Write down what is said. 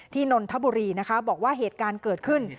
นนทบุรีนะคะบอกว่าเหตุการณ์เกิดขึ้น